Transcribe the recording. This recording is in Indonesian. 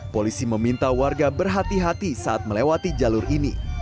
polisi meminta warga berhati hati saat melewati jalur ini